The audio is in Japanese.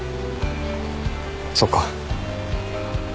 そっか。